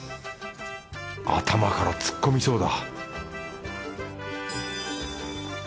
頭から突っ込みそうだ